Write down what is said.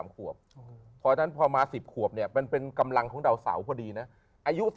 ๓ขวบพอต้นผ่อมา๑๐ขวบเนี่ยเป็นเป็นกำลังของดาวสาวพอดีนะอายุ